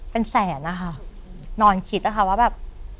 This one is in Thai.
เป็นแสนค่ะนอนคิดค่ะว่าแบบ